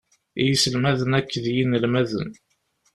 I yiselmaden akked yinelmaden.